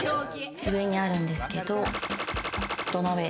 上にあるんですけど、土鍋。